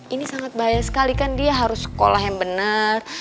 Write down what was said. ini sangat bahaya sekali kan dia harus sekolah yang benar